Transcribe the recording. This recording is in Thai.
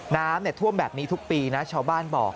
น้ำท่วมแบบนี้ทุกปีนะชาวบ้านบอก